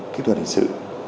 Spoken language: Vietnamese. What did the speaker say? kỹ thuật hình sự